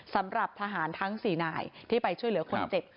สำหรับทหารทั้ง๔นายที่ไปช่วยเหลือคนเจ็บ